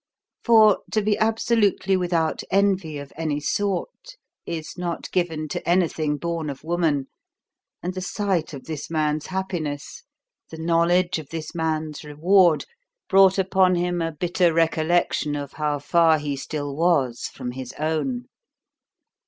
For to be absolutely without envy of any sort is not given to anything born of woman; and the sight of this man's happiness, the knowledge of this man's reward, brought upon him a bitter recollection of how far he still was from his own.